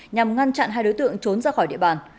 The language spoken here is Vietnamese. nhằm ngăn chặn hai đối tượng trốn ra khỏi địa bàn